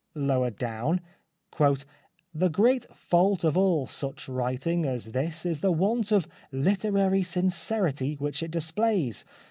Lower down, " The great fault of all such writing as this is the want of literary sincerity which it displays.